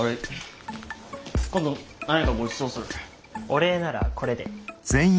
お礼ならこれで。